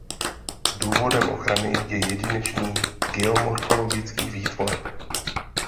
Důvodem ochrany je jedinečný geomorfologický výtvor.